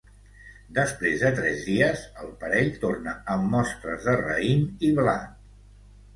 Després de tres dies, el parell torna amb mostres de raïm i blat.